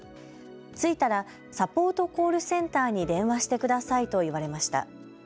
着いたらサポートコールセンターに電話してくださいと言われました。